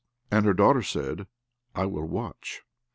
And her daughter said, "I will watch."